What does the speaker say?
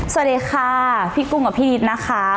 สวัสดีค่ะพี่กุ้งกับพี่นิดนะคะ